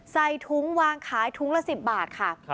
ใส่ถุงวางขายถุงละ๑๐บาทค่ะ